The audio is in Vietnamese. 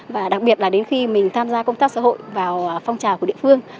và đặc biệt là đến khi mình tham gia công tác xã hội vào phong trào của địa phương